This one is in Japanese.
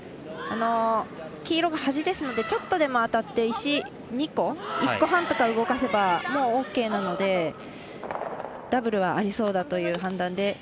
黄色が端ですのでちょっとでも当たって、石２個１個半とか動かせばもうオーケーなのでダブルはありそうだという判断で。